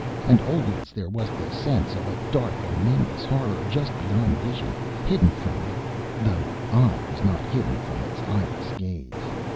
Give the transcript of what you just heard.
And always there was the sense of a dark and nameless horror just beyond vision, hidden from me though I was not hidden from its eyeless gaze!